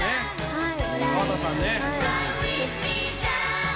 はい。